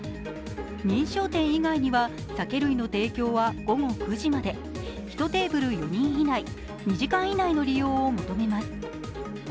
認証店以外には、酒類の提供は午後９時まで、１テーブル４人以内２時間以内の利用を求めます。